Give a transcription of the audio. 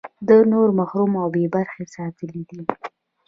ده نور محروم او بې برخې ساتلي دي.